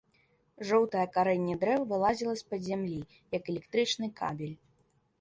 Жоўтае карэнне дрэў вылазіла з-пад зямлі, як электрычны кабель.